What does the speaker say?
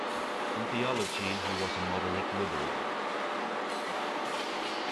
In theology he was a moderate liberal.